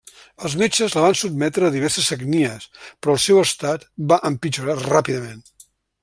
Els metges la van sotmetre a diverses sagnies, però el seu estat va empitjorar ràpidament.